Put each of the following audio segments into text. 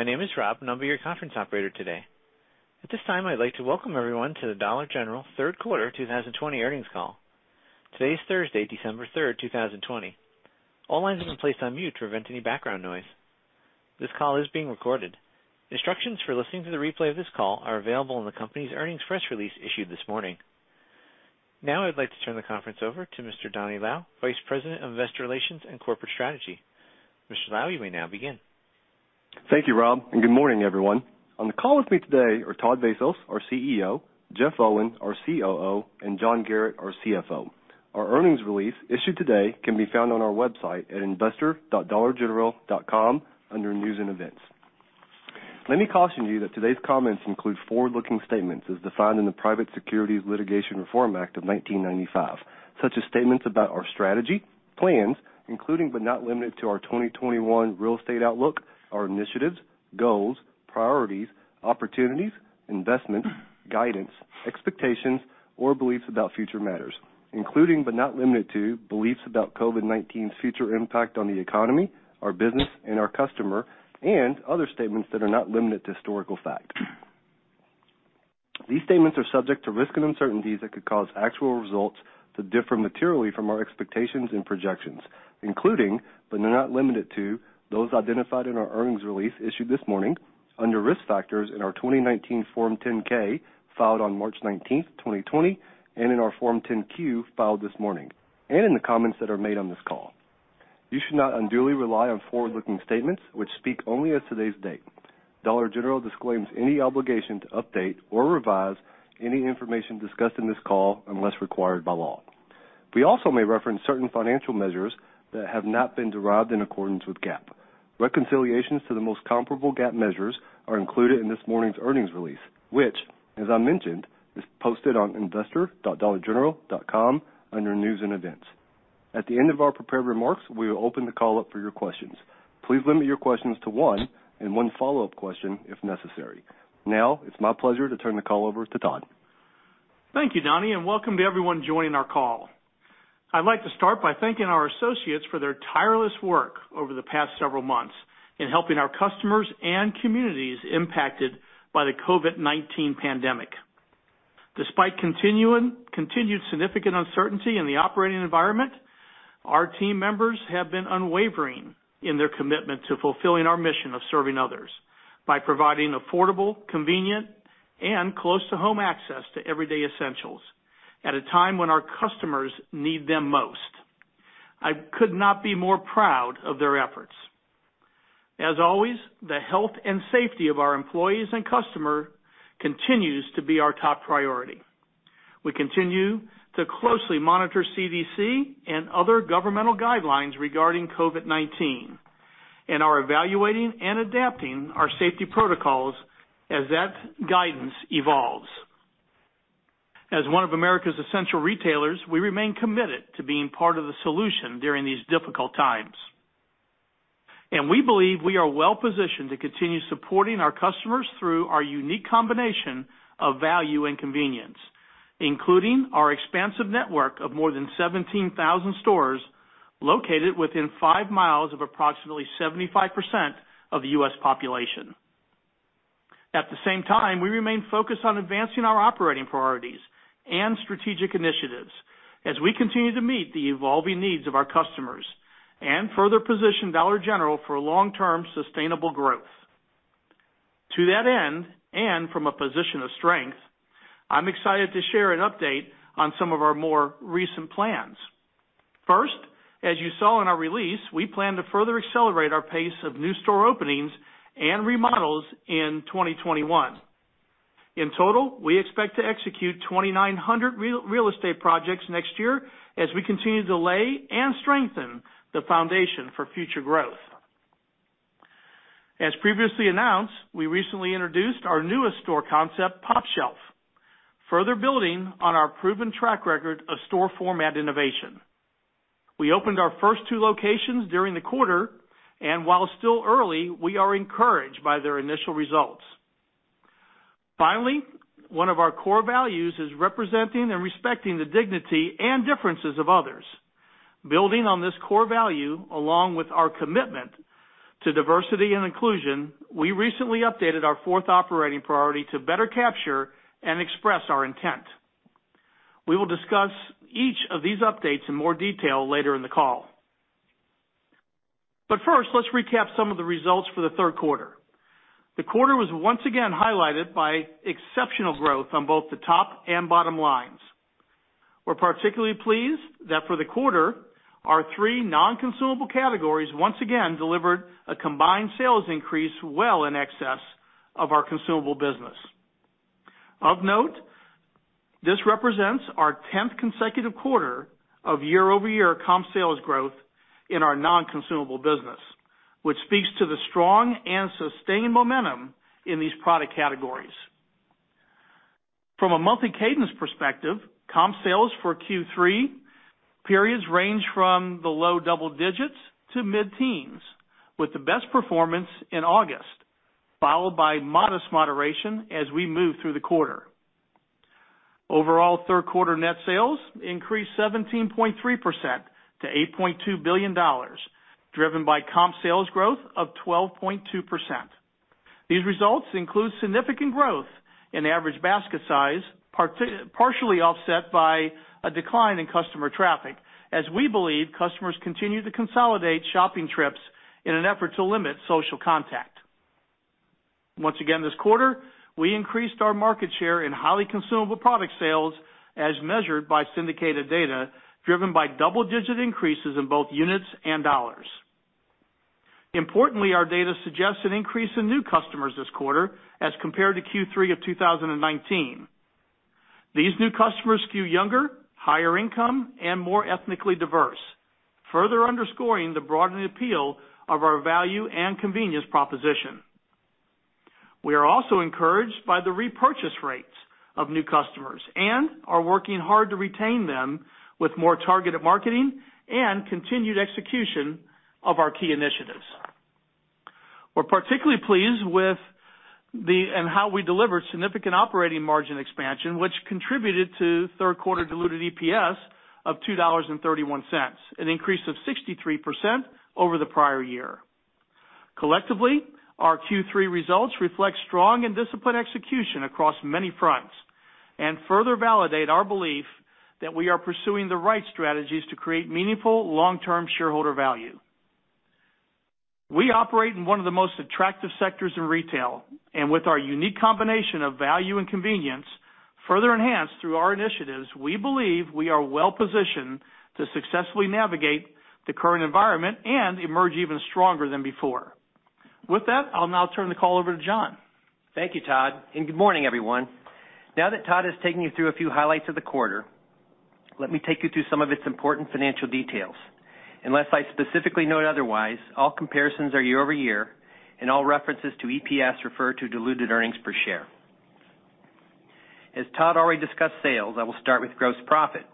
Good morning. My name is Rob, and I'll be your conference operator today. At this time, I'd like to welcome everyone to the Dollar General Third Quarter 2020 Earnings Call. Today is Thursday, December 3rd, 2020. All lines have been placed on mute to prevent any background noise. This call is being recorded. Instructions for listening to the replay of this call are available in the company's earnings press release issued this morning. Now I'd like to turn the conference over to Mr. Donny Lau, Vice President of Investor Relations and Corporate Strategy. Mr. Lau, you may now begin. Thank you, Rob, good morning, everyone. On the call with me today are Todd Vasos, our CEO, Jeff Owen, our COO, and John Garratt, our CFO. Our earnings release issued today can be found on our website at investor.dollargeneral.com under News and Events. Let me caution you that today's comments include forward-looking statements as defined in the Private Securities Litigation Reform Act of 1995, such as statements about our strategy, plans, including but not limited to our 2021 real estate outlook, our initiatives, goals, priorities, opportunities, investments, guidance, expectations, or beliefs about future matters, including but not limited to beliefs about COVID-19's future impact on the economy, our business, and our customer, and other statements that are not limited to historical fact. These statements are subject to risks and uncertainties that could cause actual results to differ materially from our expectations and projections, including, but not limited to, those identified in our earnings release issued this morning under Risk Factors in our 2019 Form 10-K filed on March 19, 2020, and in our Form 10-Q filed this morning, and in the comments that are made on this call. You should not unduly rely on forward-looking statements which speak only as today's date. Dollar General disclaims any obligation to update or revise any information discussed on this call unless required by law. We also may reference certain financial measures that have not been derived in accordance with GAAP. Reconciliations to the most comparable GAAP measures are included in this morning's earnings release, which, as I mentioned, is posted on investor.dollargeneral.com under News and Events. At the end of our prepared remarks, we will open the call up for your questions. Please limit your questions to one and one follow-up question if necessary. Now it's my pleasure to turn the call over to Todd. Thank you, Donny. Welcome to everyone joining our call. I'd like to start by thanking our associates for their tireless work over the past several months in helping our customers and communities impacted by the COVID-19 pandemic. Despite continued significant uncertainty in the operating environment, our team members have been unwavering in their commitment to fulfilling our mission of serving others by providing affordable, convenient, and close-to-home access to everyday essentials at a time when our customers need them most. I could not be more proud of their efforts. As always, the health and safety of our employees and customers continues to be our top priority. We continue to closely monitor CDC and other governmental guidelines regarding COVID-19 and are evaluating and adapting our safety protocols as that guidance evolves. As one of America's essential retailers, we remain committed to being part of the solution during these difficult times. We believe we are well-positioned to continue supporting our customers through our unique combination of value and convenience, including our expansive network of more than 17,000 stores located within five miles of approximately 75% of the U.S. population. At the same time, we remain focused on advancing our operating priorities and strategic initiatives as we continue to meet the evolving needs of our customers and further position Dollar General for long-term sustainable growth. To that end, and from a position of strength, I'm excited to share an update on some of our more recent plans. First, as you saw in our release, we plan to further accelerate our pace of new store openings and remodels in 2021. In total, we expect to execute 2,900 real estate projects next year as we continue to lay and strengthen the foundation for future growth. As previously announced, we recently introduced our newest store concept, pOpshelf, further building on our proven track record of store format innovation. We opened our first two locations during the quarter, and while still early, we are encouraged by their initial results. Finally, one of our core values is representing and respecting the dignity and differences of others. Building on this core value, along with our commitment to diversity and inclusion, we recently updated our fourth operating priority to better capture and express our intent. We will discuss each of these updates in more detail later in the call. First, let's recap some of the results for the third quarter. The quarter was once again highlighted by exceptional growth on both the top and bottom lines. We're particularly pleased that for the quarter, our three non-consumable categories once again delivered a combined sales increase well in excess of our consumable business. Of note, this represents our 10th consecutive quarter of year-over-year comp sales growth in our non-consumable business, which speaks to the strong and sustained momentum in these product categories. From a monthly cadence perspective, comp sales for Q3 periods range from the low double digits to mid-teens, with the best performance in August, followed by modest moderation as we move through the quarter. Overall third quarter net sales increased 17.3% to $8.2 billion, driven by comp sales growth of 12.2%. These results include significant growth in average basket size, partially offset by a decline in customer traffic, as we believe customers continue to consolidate shopping trips in an effort to limit social contact. Once again this quarter, we increased our market share in highly consumable product sales as measured by syndicated data, driven by double-digit increases in both units and dollars. Importantly, our data suggests an increase in new customers this quarter as compared to Q3 of 2019. These new customers skew younger, higher income, and more ethnically diverse, further underscoring the broadened appeal of our value and convenience proposition. We are also encouraged by the repurchase rates of new customers and are working hard to retain them with more targeted marketing and continued execution of our key initiatives. We're particularly pleased with and how we delivered significant operating margin expansion, which contributed to third quarter diluted EPS of $2.31, an increase of 63% over the prior year. Collectively, our Q3 results reflect strong and disciplined execution across many fronts and further validate our belief that we are pursuing the right strategies to create meaningful long-term shareholder value. We operate in one of the most attractive sectors in retail, and with our unique combination of value and convenience further enhanced through our initiatives, we believe we are well-positioned to successfully navigate the current environment and emerge even stronger than before. With that, I'll now turn the call over to John. Thank you, Todd, and good morning, everyone. Now that Todd has taken you through a few highlights of the quarter, let me take you through some of its important financial details. Unless I specifically note otherwise, all comparisons are year-over-year, and all references to EPS refer to diluted earnings per share. As Todd already discussed sales, I will start with gross profit,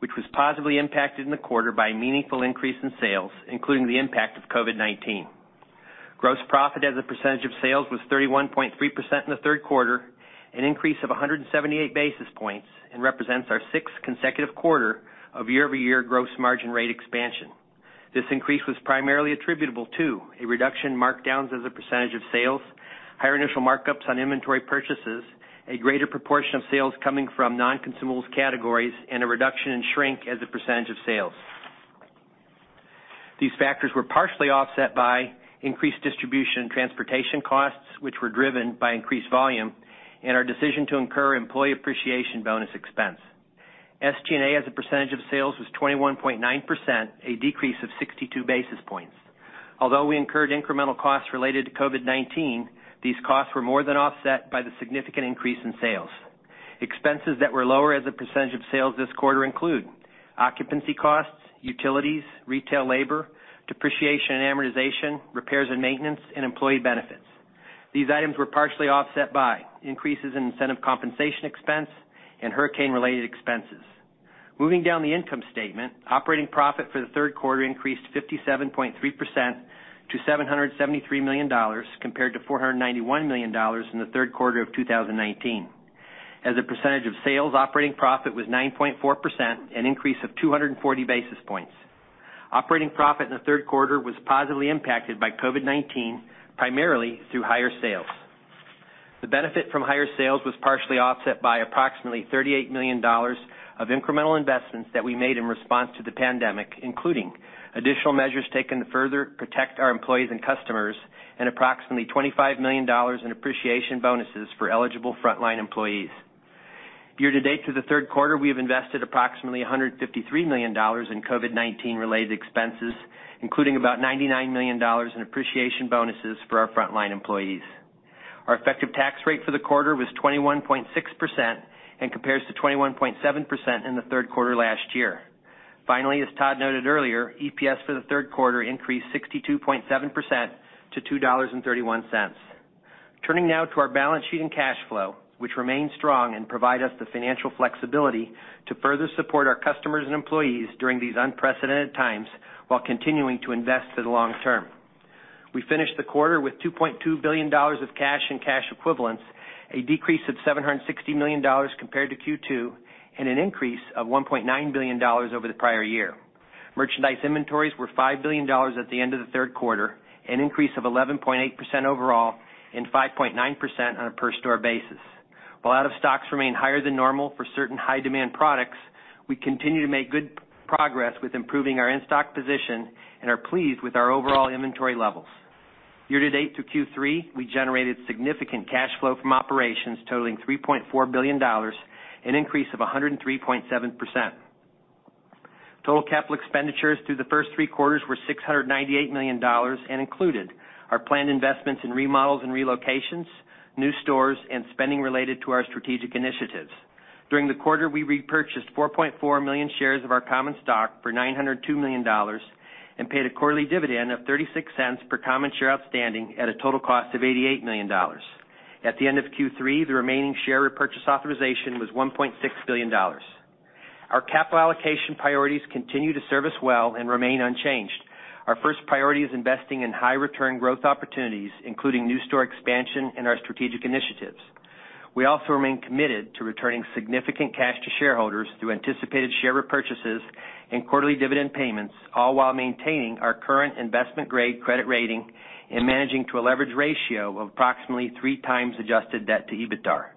which was positively impacted in the quarter by a meaningful increase in sales, including the impact of COVID-19. Gross profit as a percentage of sales was 31.3% in the third quarter, an increase of 178 basis points and represents our sixth consecutive quarter of year-over-year gross margin rate expansion. This increase was primarily attributable to a reduction in markdowns as a percentage of sales, higher initial markups on inventory purchases, a greater proportion of sales coming from non-consumables categories, and a reduction in shrink as a percentage of sales. These factors were partially offset by increased distribution and transportation costs, which were driven by increased volume and our decision to incur employee appreciation bonus expense. SG&A as a percentage of sales was 21.9%, a decrease of 62 basis points. Although we incurred incremental costs related to COVID-19, these costs were more than offset by the significant increase in sales. Expenses that were lower as a percentage of sales this quarter include occupancy costs, utilities, retail labor, depreciation and amortization, repairs and maintenance, and employee benefits. These items were partially offset by increases in incentive compensation expense and hurricane-related expenses. Moving down the income statement, operating profit for the third quarter increased 57.3% to $773 million compared to $491 million in the third quarter of 2019. As a percentage of sales, operating profit was 9.4%, an increase of 240 basis points. Operating profit in the third quarter was positively impacted by COVID-19, primarily through higher sales. The benefit from higher sales was partially offset by approximately $38 million of incremental investments that we made in response to the pandemic, including additional measures taken to further protect our employees and customers and approximately $25 million in appreciation bonuses for eligible frontline employees. Year to date through the third quarter, we have invested approximately $153 million in COVID-19 related expenses, including about $99 million in appreciation bonuses for our frontline employees. Our effective tax rate for the quarter was 21.6% and compares to 21.7% in the third quarter last year. As Todd noted earlier, EPS for the third quarter increased 62.7% to $2.31. Turning now to our balance sheet and cash flow, which remain strong and provide us the financial flexibility to further support our customers and employees during these unprecedented times while continuing to invest for the long term. We finished the quarter with $2.2 billion of cash and cash equivalents, a decrease of $760 million compared to Q2, and an increase of $1.9 billion over the prior year. Merchandise inventories were $5 billion at the end of the third quarter, an increase of 11.8% overall and 5.9% on a per store basis. While out of stocks remain higher than normal for certain high demand products, we continue to make good progress with improving our in-stock position and are pleased with our overall inventory levels. Year to date through Q3, we generated significant cash flow from operations totaling $3.4 billion, an increase of 103.7%. Total capital expenditures through the first three quarters were $698 million and included our planned investments in remodels and relocations, new stores, and spending related to our strategic initiatives. During the quarter, we repurchased 4.4 million shares of our common stock for $902 million and paid a quarterly dividend of $0.36 per common share outstanding at a total cost of $88 million. At the end of Q3, the remaining share repurchase authorization was $1.6 billion. Our capital allocation priorities continue to serve us well and remain unchanged. Our first priority is investing in high return growth opportunities, including new store expansion and our strategic initiatives. We also remain committed to returning significant cash to shareholders through anticipated share repurchases and quarterly dividend payments, all while maintaining our current investment-grade credit rating and managing to a leverage ratio of approximately three times adjusted debt to EBITDAR.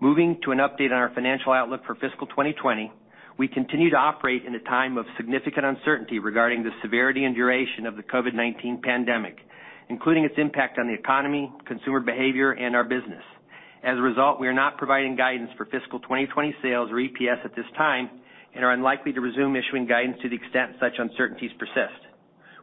Moving to an update on our financial outlook for fiscal 2020, we continue to operate in a time of significant uncertainty regarding the severity and duration of the COVID-19 pandemic, including its impact on the economy, consumer behavior, and our business. As a result, we are not providing guidance for fiscal 2020 sales or EPS at this time, and are unlikely to resume issuing guidance to the extent such uncertainties persist.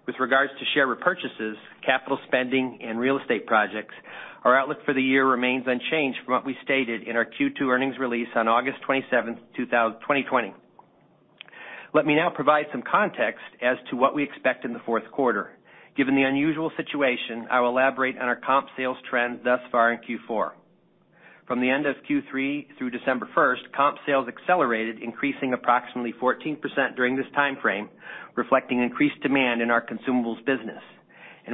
With regards to share repurchases, capital spending, and real estate projects, our outlook for the year remains unchanged from what we stated in our Q2 earnings release on August 27th, 2020. Let me now provide some context as to what we expect in the fourth quarter. Given the unusual situation, I will elaborate on our comp sales trends thus far in Q4. From the end of Q3 through December first, comp sales accelerated, increasing approximately 14% during this timeframe, reflecting increased demand in our consumables business.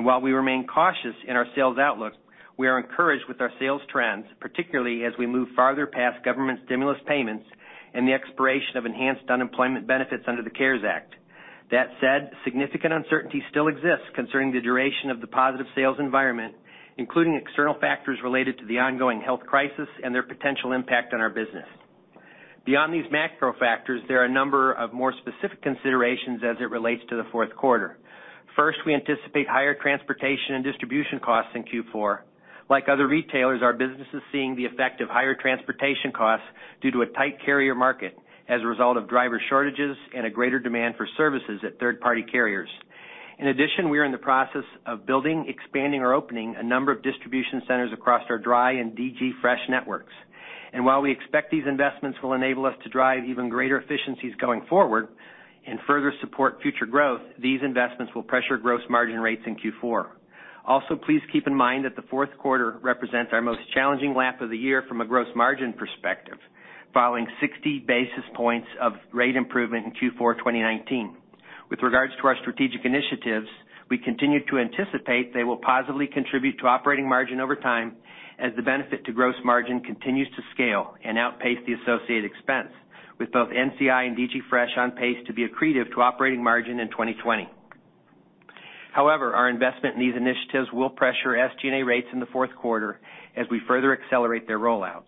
While we remain cautious in our sales outlook, we are encouraged with our sales trends, particularly as we move farther past government stimulus payments and the expiration of enhanced unemployment benefits under the CARES Act. That said, significant uncertainty still exists concerning the duration of the positive sales environment, including external factors related to the ongoing health crisis and their potential impact on our business. Beyond these macro factors, there are a number of more specific considerations as it relates to the fourth quarter. First, we anticipate higher transportation and distribution costs in Q4. Like other retailers, our business is seeing the effect of higher transportation costs due to a tight carrier market as a result of driver shortages and a greater demand for services at third-party carriers. In addition, we are in the process of building, expanding, or opening a number of distribution centers across our dry and DG Fresh networks. While we expect these investments will enable us to drive even greater efficiencies going forward and further support future growth, these investments will pressure gross margin rates in Q4. Also, please keep in mind that the fourth quarter represents our most challenging lap of the year from a gross margin perspective, following 60 basis points of rate improvement in Q4 2019. With regards to our strategic initiatives, we continue to anticipate they will positively contribute to operating margin over time as the benefit to gross margin continues to scale and outpace the associated expense, with both NCI and DG Fresh on pace to be accretive to operating margin in 2020. However, our investment in these initiatives will pressure SG&A rates in the fourth quarter as we further accelerate their rollouts.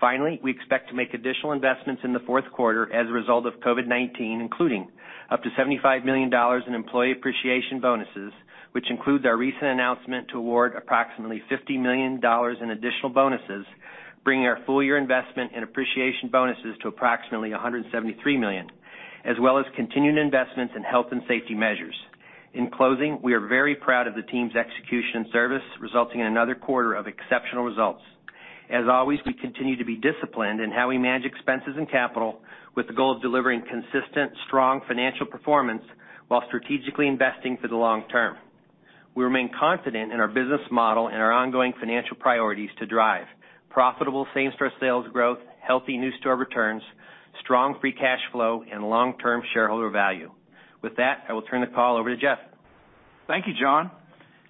Finally, we expect to make additional investments in the fourth quarter as a result of COVID-19, including up to $75 million in employee appreciation bonuses, which includes our recent announcement to award approximately $50 million in additional bonuses, bringing our full-year investment in appreciation bonuses to approximately $173 million, as well as continued investments in health and safety measures. In closing, we are very proud of the team's execution service, resulting in another quarter of exceptional results. As always, we continue to be disciplined in how we manage expenses and capital with the goal of delivering consistent, strong financial performance while strategically investing for the long term. We remain confident in our business model and our ongoing financial priorities to drive profitable same-store sales growth, healthy new store returns, strong free cash flow, and long-term shareholder value. With that, I will turn the call over to Jeff. Thank you, John.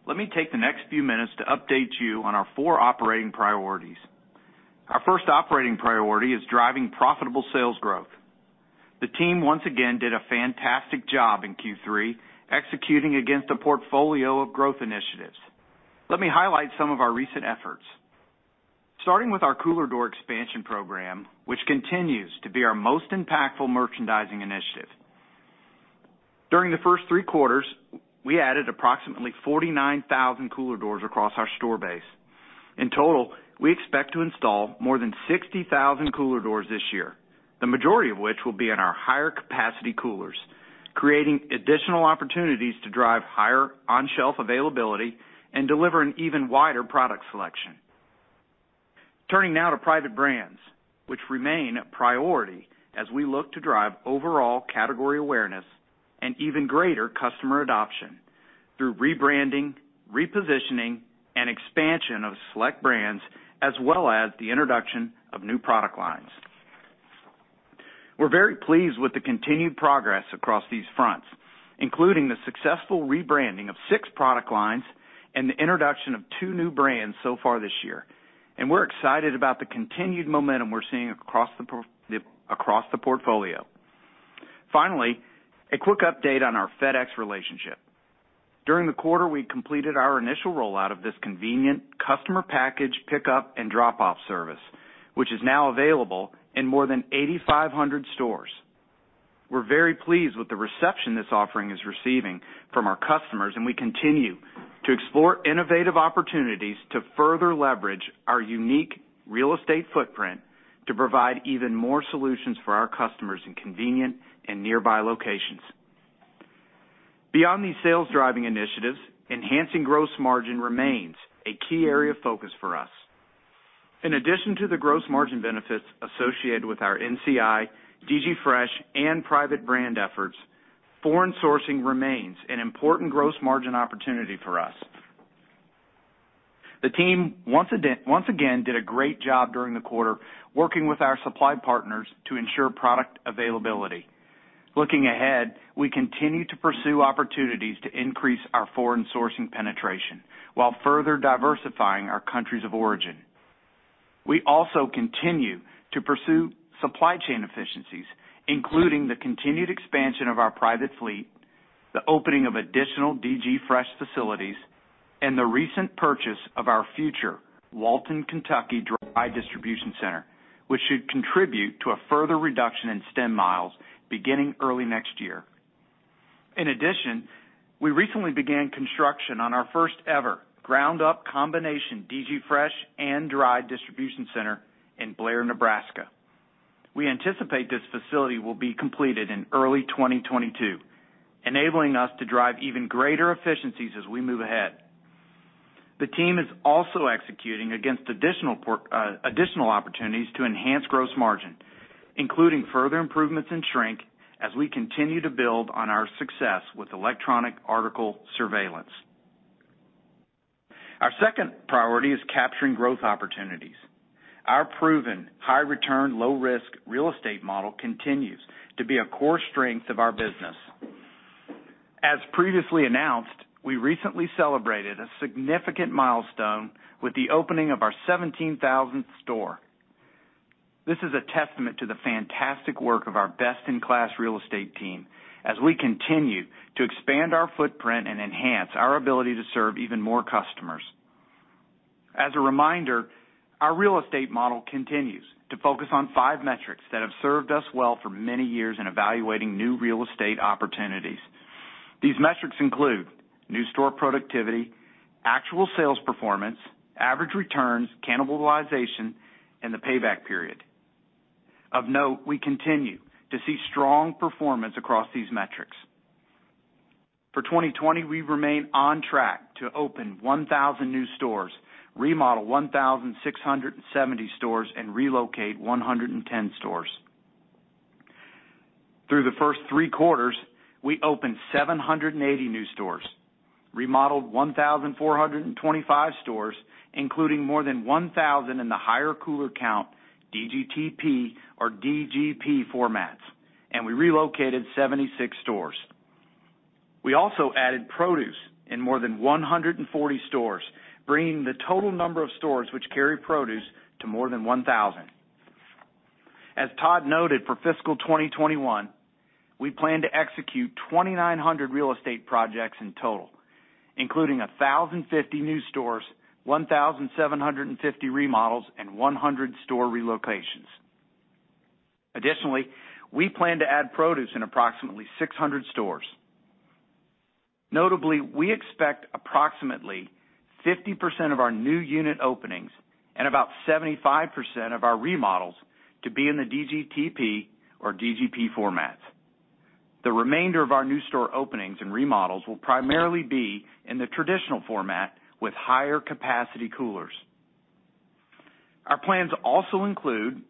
Let me take the next few minutes to update you on our four operating priorities. Our first operating priority is driving profitable sales growth. The team once again did a fantastic job in Q3, executing against a portfolio of growth initiatives. Let me highlight some of our recent efforts. Starting with our Cooler Door Expansion Program, which continues to be our most impactful merchandising initiative. During the first three quarters, we added approximately 49,000 cooler doors across our store base. In total, we expect to install more than 60,000 cooler doors this year, the majority of which will be in our higher capacity coolers, creating additional opportunities to drive higher on-shelf availability and deliver an even wider product selection. Turning now to private brands, which remain a priority as we look to drive overall category awareness and even greater customer adoption through rebranding, repositioning, and expansion of select brands, as well as the introduction of new product lines. We're very pleased with the continued progress across these fronts, including the successful rebranding of six product lines and the introduction of two new brands so far this year. We're excited about the continued momentum we're seeing across the portfolio. Finally, a quick update on our FedEx relationship. During the quarter, we completed our initial rollout of this convenient customer package pickup and drop-off service, which is now available in more than 8,500 stores. We're very pleased with the reception this offering is receiving from our customers. We continue to explore innovative opportunities to further leverage our unique real estate footprint to provide even more solutions for our customers in convenient and nearby locations. Beyond these sales-driving initiatives, enhancing gross margin remains a key area of focus for us. In addition to the gross margin benefits associated with our NCI, DG Fresh, and private brand efforts, foreign sourcing remains an important gross margin opportunity for us. The team, once again, did a great job during the quarter working with our supply partners to ensure product availability. Looking ahead, we continue to pursue opportunities to increase our foreign sourcing penetration while further diversifying our countries of origin. We also continue to pursue supply chain efficiencies, including the continued expansion of our private fleet, the opening of additional DG Fresh facilities, and the recent purchase of our future Walton, Kentucky dry distribution center, which should contribute to a further reduction in stem miles beginning early next year. In addition, we recently began construction on our first ever ground-up combination DG Fresh and dry distribution center in Blair, Nebraska. We anticipate this facility will be completed in early 2022, enabling us to drive even greater efficiencies as we move ahead. The team is also executing against additional opportunities to enhance gross margin, including further improvements in shrink as we continue to build on our success with electronic article surveillance. Our second priority is capturing growth opportunities. Our proven high return, low risk real estate model continues to be a core strength of our business. As previously announced, we recently celebrated a significant milestone with the opening of our 17,000th store. This is a testament to the fantastic work of our best-in-class real estate team as we continue to expand our footprint and enhance our ability to serve even more customers. As a reminder, our real estate model continues to focus on five metrics that have served us well for many years in evaluating new real estate opportunities. These metrics include new store productivity, actual sales performance, average returns, cannibalization, and the payback period. Of note, we continue to see strong performance across these metrics. For 2020, we remain on track to open 1,000 new stores, remodel 1,670 stores, and relocate 110 stores. Through the first three quarters, we opened 780 new stores, remodeled 1,425 stores, including more than 1,000 in the higher cooler count DGTP or DGP formats, and we relocated 76 stores. We also added produce in more than 140 stores, bringing the total number of stores which carry produce to more than 1,000. As Todd noted, for fiscal 2021, we plan to execute 2,900 real estate projects in total, including 1,050 new stores, 1,750 remodels, and 100 store relocations. Additionally, we plan to add produce in approximately 600 stores. Notably, we expect approximately 50% of our new unit openings and about 75% of our remodels to be in the DGTP or DGP formats. The remainder of our new store openings and remodels will primarily be in the traditional format with higher capacity coolers. Our plans also include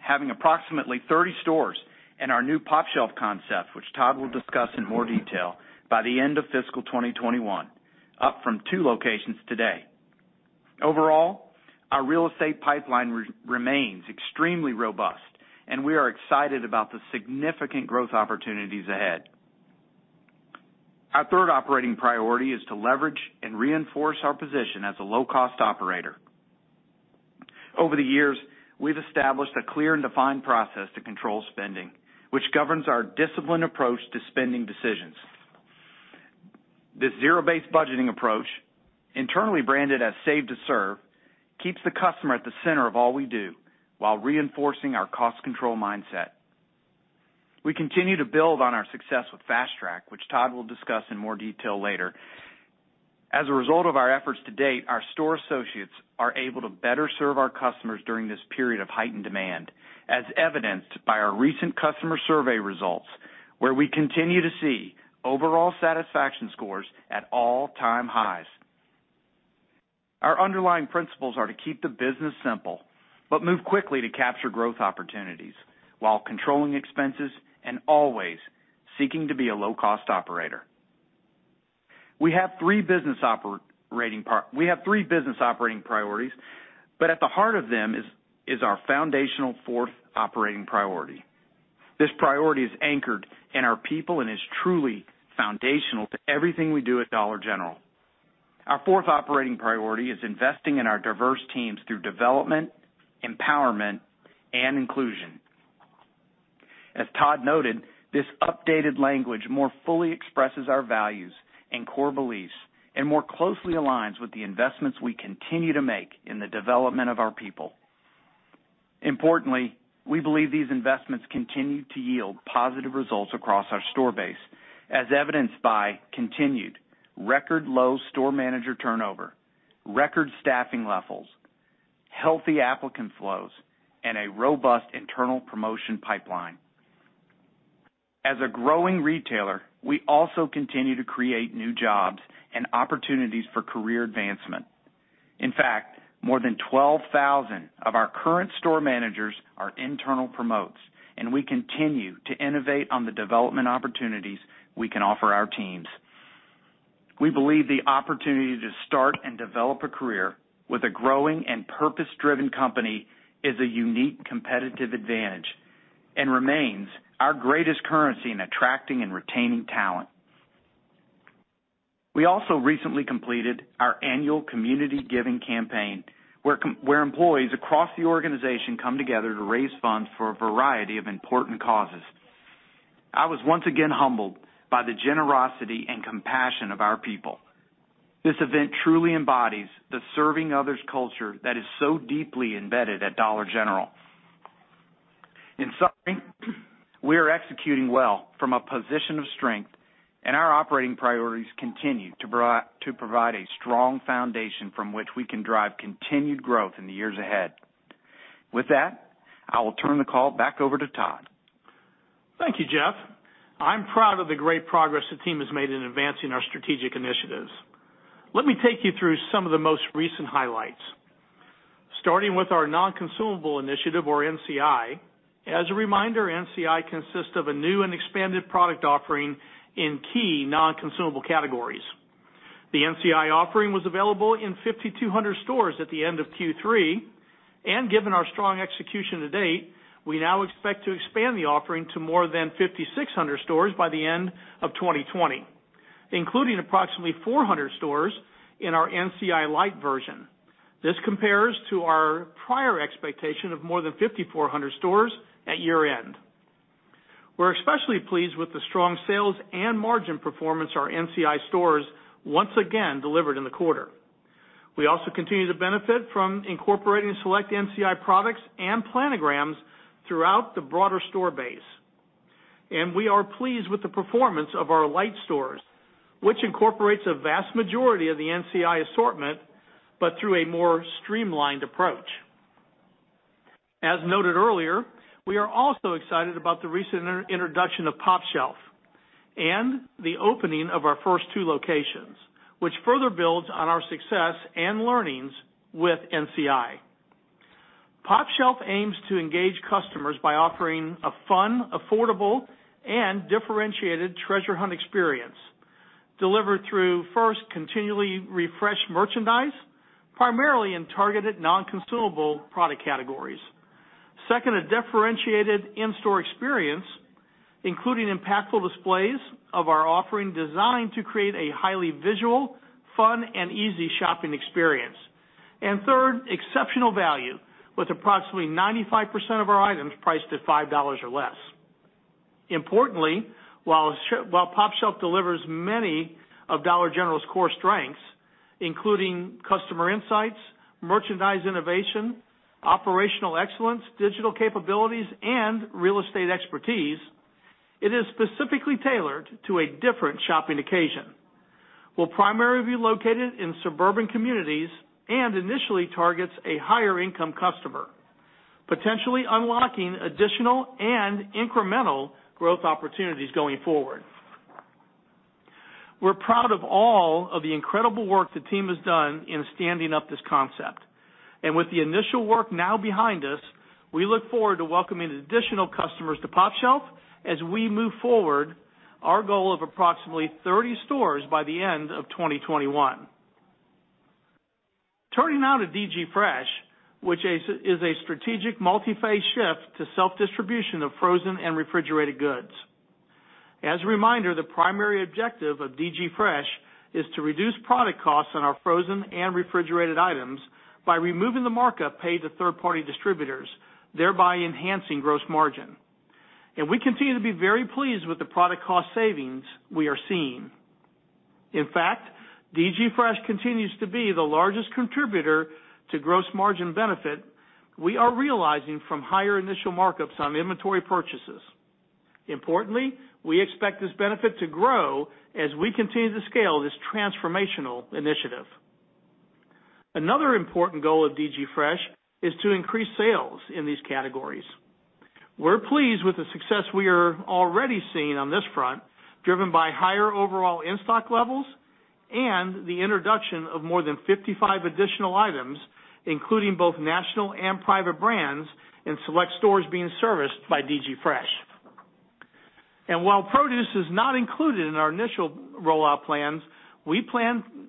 having approximately 30 stores in our new pOpshelf concept, which Todd will discuss in more detail, by the end of fiscal 2021, up from two locations today. Overall, our real estate pipeline remains extremely robust, and we are excited about the significant growth opportunities ahead. Our third operating priority is to leverage and reinforce our position as a low-cost operator. Over the years, we've established a clear and defined process to control spending, which governs our disciplined approach to spending decisions. This zero-based budgeting approach, internally branded as Save to Serve, keeps the customer at the center of all we do while reinforcing our cost control mindset. We continue to build on our success with Fast Track, which Todd will discuss in more detail later. As a result of our efforts to date, our store associates are able to better serve our customers during this period of heightened demand, as evidenced by our recent customer survey results, where we continue to see overall satisfaction scores at all time highs. Our underlying principles are to keep the business simple, but move quickly to capture growth opportunities while controlling expenses and always seeking to be a low cost operator. We have three business operating priorities, but at the heart of them is our foundational fourth operating priority. This priority is anchored in our people and is truly foundational to everything we do at Dollar General. Our fourth operating priority is investing in our diverse teams through development, empowerment, and inclusion. As Todd noted, this updated language more fully expresses our values and core beliefs and more closely aligns with the investments we continue to make in the development of our people. Importantly, we believe these investments continue to yield positive results across our store base, as evidenced by continued record low store manager turnover, record staffing levels, healthy applicant flows, and a robust internal promotion pipeline. As a growing retailer, we also continue to create new jobs and opportunities for career advancement. In fact, more than 12,000 of our current store managers are internal promotes, and we continue to innovate on the development opportunities we can offer our teams. We believe the opportunity to start and develop a career with a growing and purpose-driven company is a unique competitive advantage and remains our greatest currency in attracting and retaining talent. We also recently completed our annual community giving campaign, where employees across the organization come together to raise funds for a variety of important causes. I was once again humbled by the generosity and compassion of our people. This event truly embodies the serving others culture that is so deeply embedded at Dollar General. In summary, we are executing well from a position of strength, and our operating priorities continue to provide a strong foundation from which we can drive continued growth in the years ahead. With that, I will turn the call back over to Todd. Thank you, Jeff. I'm proud of the great progress the team has made in advancing our strategic initiatives. Let me take you through some of the most recent highlights. Starting with our non-consumable initiative, or NCI. As a reminder, NCI consists of a new and expanded product offering in key non-consumable categories. The NCI offering was available in 5,200 stores at the end of Q3, and given our strong execution to date, we now expect to expand the offering to more than 5,600 stores by the end of 2020, including approximately 400 stores in our NCI Lite version. This compares to our prior expectation of more than 5,400 stores at year-end. We're especially pleased with the strong sales and margin performance our NCI stores once again delivered in the quarter. We also continue to benefit from incorporating select NCI products and planograms throughout the broader store base. We are pleased with the performance of our Lite stores, which incorporates a vast majority of the NCI assortment, but through a more streamlined approach. As noted earlier, we are also excited about the recent introduction of pOpshelf and the opening of our first two locations, which further builds on our success and learnings with NCI. pOpshelf aims to engage customers by offering a fun, affordable, and differentiated treasure hunt experience delivered through, first, continually refreshed merchandise, primarily in targeted non-consumable product categories. Second, a differentiated in-store experience, including impactful displays of our offering designed to create a highly visual, fun, and easy shopping experience. Third, exceptional value with approximately 95% of our items priced at $5 or less. Importantly, while pOpshelf delivers many of Dollar General's core strengths, including customer insights, merchandise innovation, operational excellence, digital capabilities, and real estate expertise, it is specifically tailored to a different shopping occasion, will primarily be located in suburban communities, and initially targets a higher income customer, potentially unlocking additional and incremental growth opportunities going forward. We're proud of all of the incredible work the team has done in standing up this concept. With the initial work now behind us, we look forward to welcoming additional customers to pOpshelf as we move forward our goal of approximately 30 stores by the end of 2021. Turning now to DG Fresh, which is a strategic multi-phase shift to self-distribution of frozen and refrigerated goods. As a reminder, the primary objective of DG Fresh is to reduce product costs on our frozen and refrigerated items by removing the markup paid to third-party distributors, thereby enhancing gross margin. We continue to be very pleased with the product cost savings we are seeing. In fact, DG Fresh continues to be the largest contributor to gross margin benefit we are realizing from higher initial markups on inventory purchases. Importantly, we expect this benefit to grow as we continue to scale this transformational initiative. Another important goal of DG Fresh is to increase sales in these categories. We're pleased with the success we are already seeing on this front, driven by higher overall in-stock levels and the introduction of more than 55 additional items, including both national and private brands, in select stores being serviced by DG Fresh. While produce is not included in our initial rollout plans,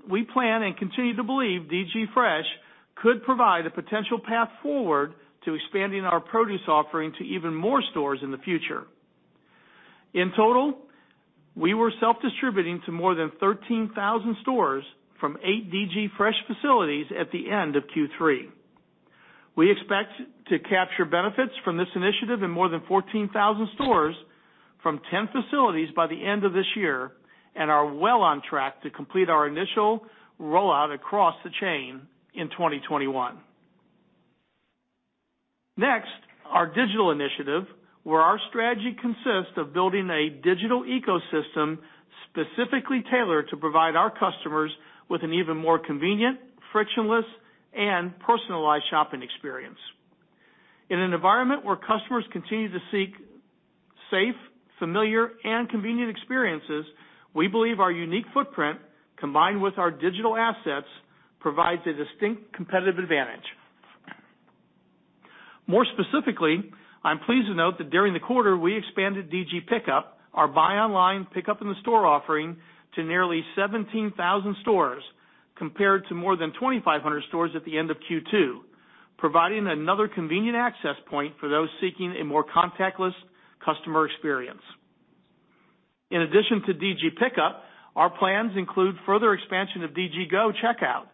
we plan and continue to believe DG Fresh could provide a potential path forward to expanding our produce offering to even more stores in the future. In total, we were self-distributing to more than 13,000 stores from eight DG Fresh facilities at the end of Q3. We expect to capture benefits from this initiative in more than 14,000 stores from 10 facilities by the end of this year and are well on track to complete our initial rollout across the chain in 2021. Our digital initiative, where our strategy consists of building a digital ecosystem specifically tailored to provide our customers with an even more convenient, frictionless, and personalized shopping experience. In an environment where customers continue to seek safe, familiar, and convenient experiences, we believe our unique footprint, combined with our digital assets, provides a distinct competitive advantage. More specifically, I'm pleased to note that during the quarter, we expanded DG Pickup, our buy online, pickup in the store offering to nearly 17,000 stores compared to more than 2,500 stores at the end of Q2, providing another convenient access point for those seeking a more contactless customer experience. In addition to DG Pickup, our plans include further expansion of DG GO! Checkout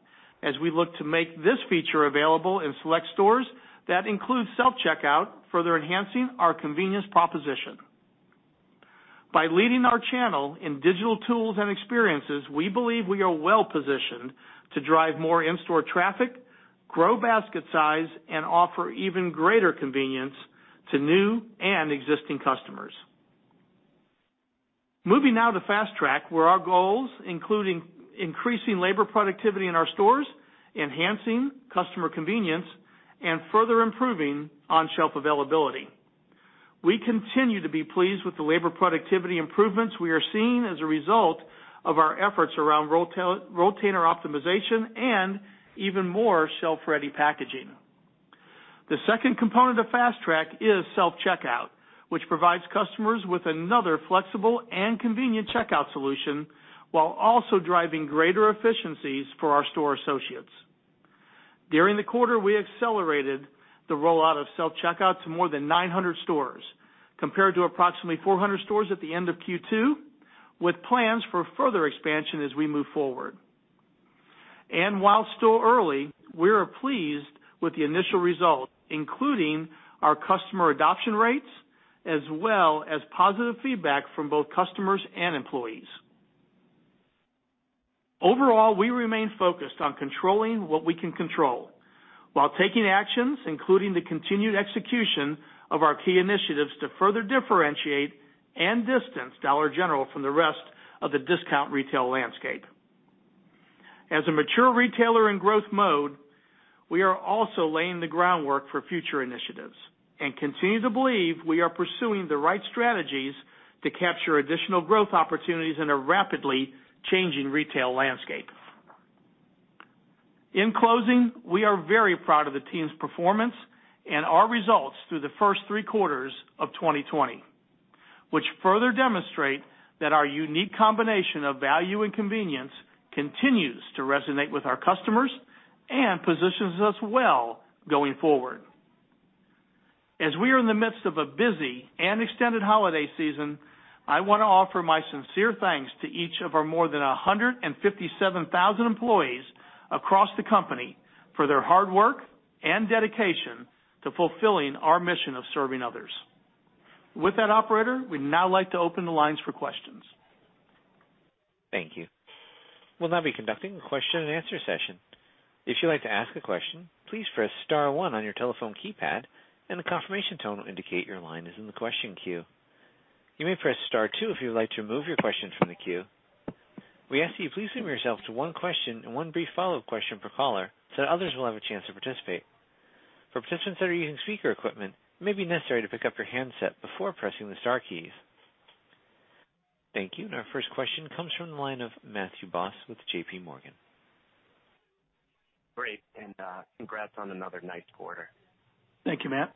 as we look to make this feature available in select stores that include self-checkout, further enhancing our convenience proposition. By leading our channel in digital tools and experiences, we believe we are well-positioned to drive more in-store traffic, grow basket size, and offer even greater convenience to new and existing customers. Moving now to Fast Track, where our goals including increasing labor productivity in our stores, enhancing customer convenience, and further improving on-shelf availability. We continue to be pleased with the labor productivity improvements we are seeing as a result of our efforts around rolltainer optimization and even more shelf-ready packaging. The second component of Fast Track is self-checkout, which provides customers with another flexible and convenient checkout solution while also driving greater efficiencies for our store associates. During the quarter, we accelerated the rollout of self-checkout to more than 900 stores, compared to approximately 400 stores at the end of Q2, with plans for further expansion as we move forward. While still early, we are pleased with the initial result, including our customer adoption rates, as well as positive feedback from both customers and employees. Overall, we remain focused on controlling what we can control while taking actions, including the continued execution of our key initiatives to further differentiate and distance Dollar General from the rest of the discount retail landscape. As a mature retailer in growth mode, we are also laying the groundwork for future initiatives and continue to believe we are pursuing the right strategies to capture additional growth opportunities in a rapidly changing retail landscape. In closing, we are very proud of the team's performance and our results through the first three quarters of 2020, which further demonstrate that our unique combination of value and convenience continues to resonate with our customers and positions us well going forward. As we are in the midst of a busy and extended holiday season, I want to offer my sincere thanks to each of our more than 157,000 employees across the company for their hard work and dedication to fulfilling our mission of serving others. With that, operator, we'd now like to open the lines for questions. Thank you. We'll now be conducting a question and answer session. If you'd like to ask a question, please press star one on your telephone keypad and the confirmation tone will indicate your line is in the question queue. You may press star two if you would like to remove your question from the queue. We ask that you please limit yourself to one question and one brief follow-up question per caller so that others will have a chance to participate. For participants that are using speaker equipment, it may be necessary to pick up your handset before pressing the star keys. Thank you. Our first question comes from the line of Matthew Boss with JPMorgan. Great, congrats on another nice quarter. Thank you, Matt.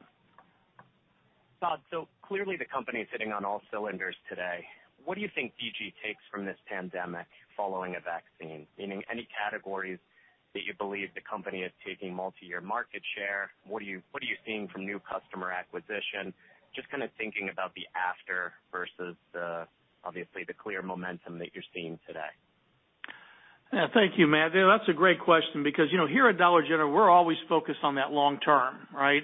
Todd, clearly the company is hitting on all cylinders today. What do you think DG takes from this pandemic following a vaccine? Meaning any categories that you believe the company is taking multi-year market share? What are you seeing from new customer acquisition? Just kind of thinking about the after versus the, obviously, the clear momentum that you're seeing today. Yeah. Thank you, Matt. That's a great question because here at Dollar General, we're always focused on that long term, right?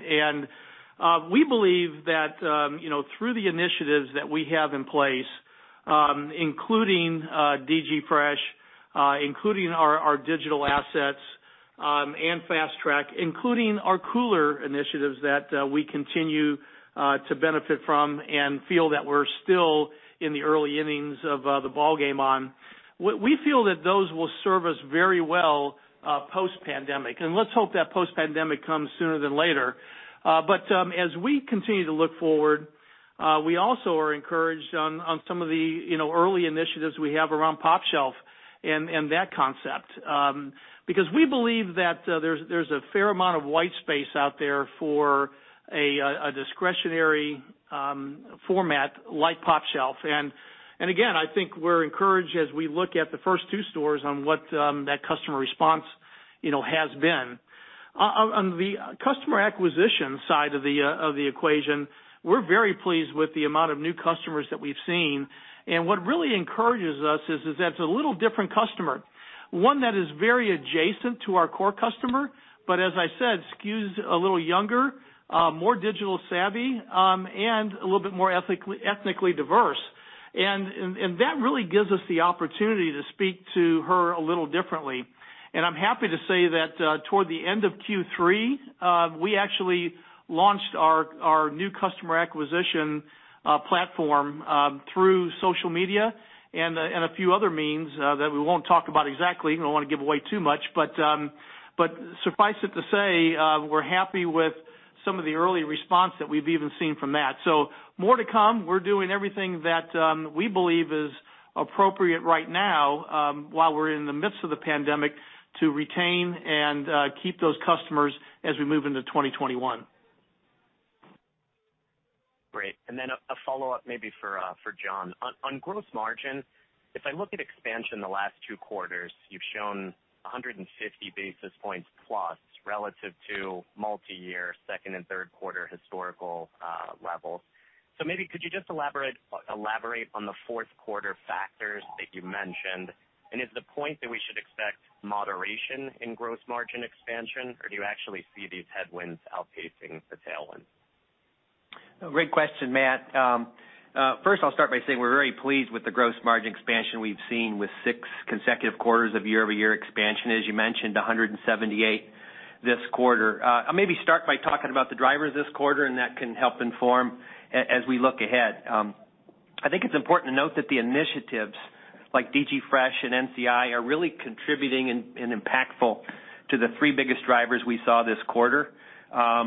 We believe that through the initiatives that we have in place, including DG Fresh, including our digital assets and Fast Track, including our cooler initiatives that we continue to benefit from and feel that we're still in the early innings of the ballgame on. We feel that those will serve us very well post-pandemic, and let's hope that post-pandemic comes sooner than later. As we continue to look forward, we also are encouraged on some of the early initiatives we have around pOpshelf and that concept because we believe that there's a fair amount of white space out there for a discretionary format like pOpshelf. Again, I think we're encouraged as we look at the first two stores on what that customer response has been. On the customer acquisition side of the equation, we're very pleased with the amount of new customers that we've seen, and what really encourages us is that it's a little different customer. One that is very adjacent to our core customer, but as I said, skews a little younger, more digital savvy, and a little bit more ethnically diverse. That really gives us the opportunity to speak to her a little differently. I'm happy to say that toward the end of Q3, we actually launched our new customer acquisition platform through social media and a few other means that we won't talk about exactly. We don't want to give away too much. Suffice it to say, we're happy with some of the early response that we've even seen from that. More to come. We're doing everything that we believe is appropriate right now while we're in the midst of the pandemic to retain and keep those customers as we move into 2021. Great. Then a follow-up maybe for John. On gross margin, if I look at expansion the last two quarters, you've shown 150 basis points plus relative to multi-year second and third quarter historical levels. Maybe could you just elaborate on the fourth quarter factors that you mentioned? Is the point that we should expect moderation in gross margin expansion, or do you actually see these headwinds outpacing the tailwind? Great question, Matt. I'll start by saying we're very pleased with the gross margin expansion we've seen with six consecutive quarters of year-over-year expansion, as you mentioned, 178 this quarter. I'll maybe start by talking about the drivers this quarter, that can help inform as we look ahead. I think it's important to note that the initiatives like DG Fresh and NCI are really contributing and impactful to the three biggest drivers we saw this quarter. Lower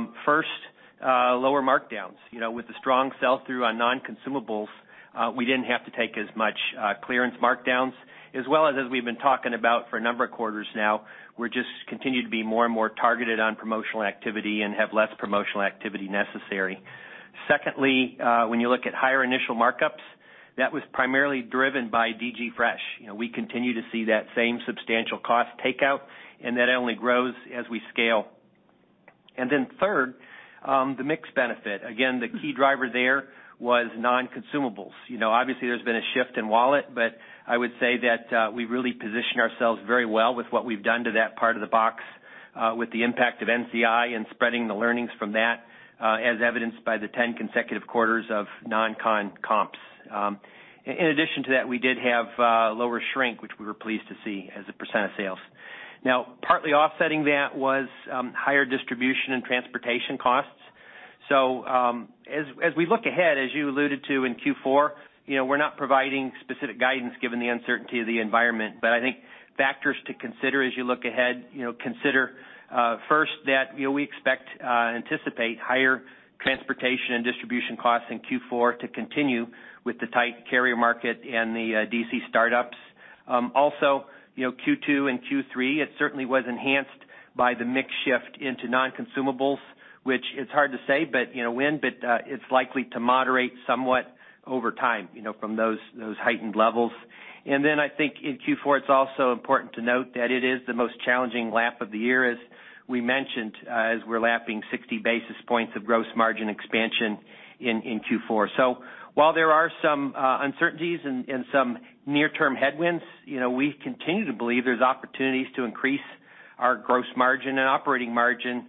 markdowns. With the strong sell-through on non-consumables, we didn't have to take as much clearance markdowns. As we've been talking about for a number of quarters now, we just continue to be more and more targeted on promotional activity and have less promotional activity necessary. When you look at higher initial markups, that was primarily driven by DG Fresh. We continue to see that same substantial cost takeout, then that only grows as we scale. Then third, the mix benefit. Again, the key driver there was non-consumables. Obviously, there's been a shift in wallet, I would say that we really position ourselves very well with what we've done to that part of the box with the impact of NCI and spreading the learnings from that, as evidenced by the 10 consecutive quarters of non-con comps. In addition to that, we did have lower shrink, which we were pleased to see as a percent of sales. Partly offsetting that was higher distribution and transportation costs. As we look ahead, as you alluded to in Q4, we're not providing specific guidance given the uncertainty of the environment. I think factors to consider as you look ahead, consider first that we expect, anticipate higher transportation and distribution costs in Q4 to continue with the tight carrier market and the DC startups. Q2 and Q3, it certainly was enhanced by the mix shift into non-consumables, which it's hard to say when, but it's likely to moderate somewhat over time from those heightened levels. I think in Q4, it's also important to note that it is the most challenging lap of the year, as we mentioned, as we're lapping 60 basis points of gross margin expansion in Q4. While there are some uncertainties and some near-term headwinds, we continue to believe there's opportunities to increase our gross margin and operating margin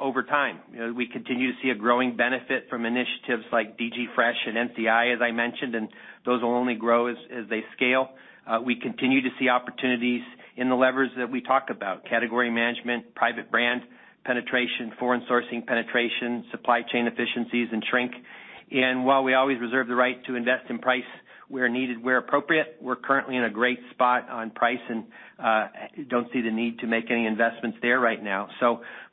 over time. We continue to see a growing benefit from initiatives like DG Fresh and NCI, as I mentioned, and those will only grow as they scale. We continue to see opportunities in the levers that we talk about, category management, private brand penetration, foreign sourcing penetration, supply chain efficiencies, and shrink. While we always reserve the right to invest in price where needed, where appropriate, we're currently in a great spot on price and don't see the need to make any investments there right now.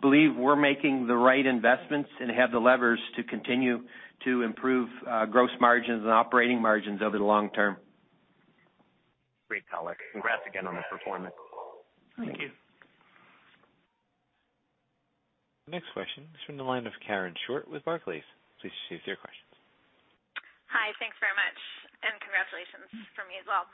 Believe we're making the right investments and have the levers to continue to improve gross margins and operating margins over the long term. Great, Garratt Congrats again on the performance. Thank you. The next question is from the line of Karen Short with Barclays. Please proceed with your questions. Hi, thanks very much, and congratulations from me as well.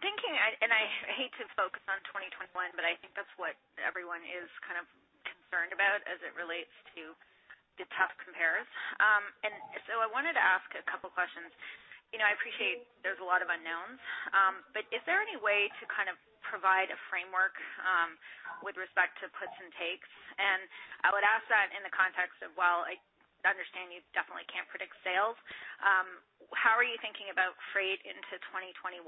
Thinking, I hate to focus on 2021, I think that's what everyone is kind of concerned about as it relates to the tough compares. I wanted to ask a couple questions. I appreciate there's a lot of unknowns, is there any way to kind of provide a framework with respect to puts and takes? I would ask that in the context of while I understand you definitely can't predict sales, how are you thinking about freight into 2021,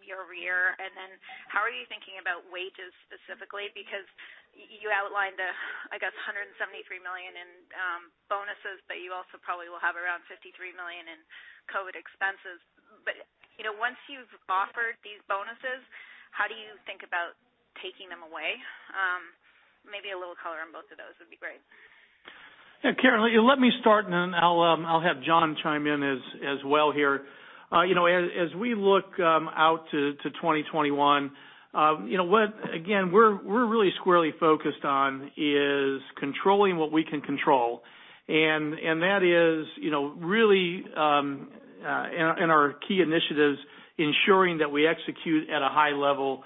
year-over-year? How are you thinking about wages specifically? Because you outlined, I guess, $173 million in bonuses, you also probably will have around $53 million in COVID-19 expenses. Once you've offered these bonuses, how do you think about taking them away? Maybe a little color on both of those would be great. Yeah, Karen, let me start, and then I'll have John chime in as well here. As we look out to 2021, again, we're really squarely focused on is controlling what we can control, and that is really in our key initiatives, ensuring that we execute at a high level,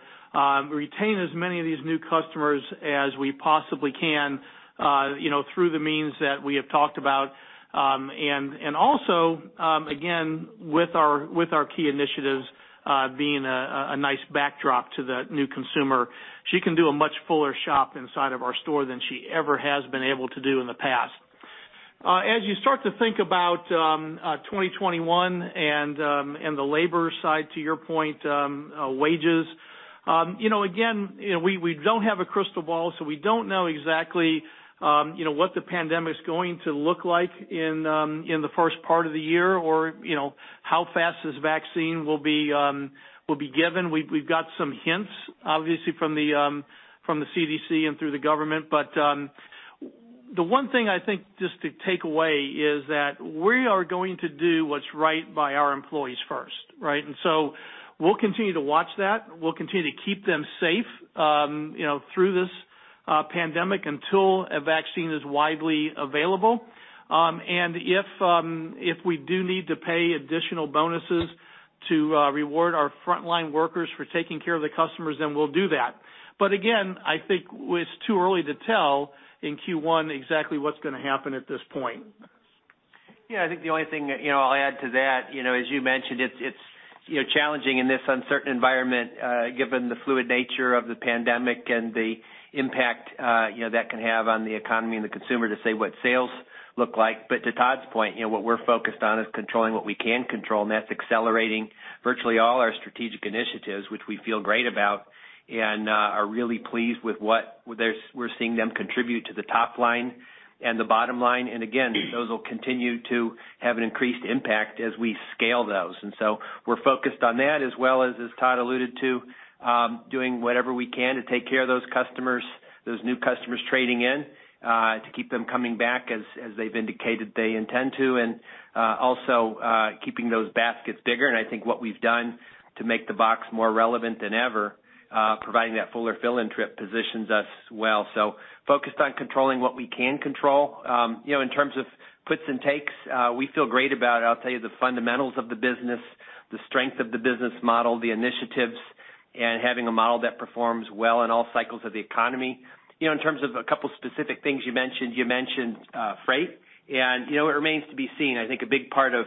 retain as many of these new customers as we possibly can through the means that we have talked about. Also, again, with our key initiatives being a nice backdrop to the new consumer, she can do a much fuller shop inside of our store than she ever has been able to do in the past. As you start to think about 2021 and the labor side, to your point, wages, again, we don't have a crystal ball, so we don't know exactly what the pandemic's going to look like in the first part of the year or how fast this vaccine will be given. We've got some hints, obviously, from the CDC and through the government. The one thing I think just to take away is that we are going to do what's right by our employees first, right? We'll continue to watch that. We'll continue to keep them safe through this pandemic until a vaccine is widely available. If we do need to pay additional bonuses to reward our frontline workers for taking care of the customers, then we'll do that. Again, I think it's too early to tell in Q1 exactly what's going to happen at this point. Yeah, I think the only thing I'll add to that, as you mentioned, it's challenging in this uncertain environment given the fluid nature of the pandemic and the impact that can have on the economy and the consumer to say what sales look like. To Todd's point, what we're focused on is controlling what we can control, and that's accelerating virtually all our strategic initiatives, which we feel great about and are really pleased with what we're seeing them contribute to the top line and the bottom line. Again, those will continue to have an increased impact as we scale those. We're focused on that as well as Todd alluded to, doing whatever we can to take care of those customers, those new customers trading in to keep them coming back as they've indicated they intend to, and also keeping those baskets bigger. I think what we've done to make the box more relevant than ever, providing that fuller fill-in trip positions us well. Focused on controlling what we can control. In terms of puts and takes, we feel great about, I'll tell you, the fundamentals of the business, the strength of the business model, the initiatives, and having a model that performs well in all cycles of the economy. In terms of a couple specific things you mentioned, you mentioned freight, and it remains to be seen. I think a big part of